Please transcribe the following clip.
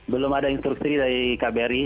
belum ada instruksi dari kbri